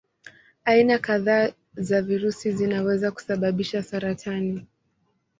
Aina kadhaa za virusi zinaweza kusababisha saratani.